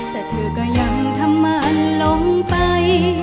แต่เธอก็ยังทำไม